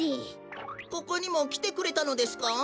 ここにもきてくれたのですか？